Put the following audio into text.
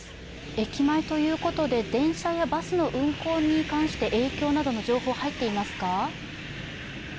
駅前ということで電車やバスの運行に関して影響などの情報は入っていますか？